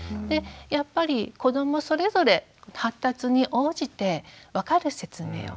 でやっぱり子どもそれぞれ発達に応じて分かる説明をしていってあげる。